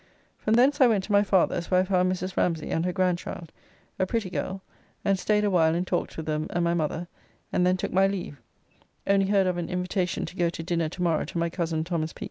From thence I went to my father's, where I found Mrs. Ramsey and her grandchild, a pretty girl, and staid a while and talked with them and my mother, and then took my leave, only heard of an invitation to go to dinner to morrow to my cosen Thomas Pepys.